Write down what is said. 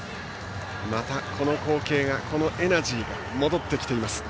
また、この光景がこのエナジーが戻ってきています。